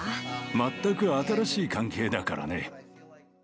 全く新しい関係だからね。